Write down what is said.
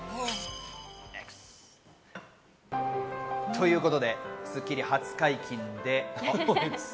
ということで『スッキリ』初解禁です。